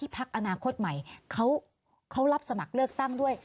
พักอนาคตใหม่เขารับสมัครเลือกตั้งด้วย